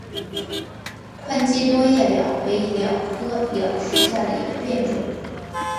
宽基多叶蓼为蓼科蓼属下的一个变种。